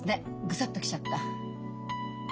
グサッと来ちゃった。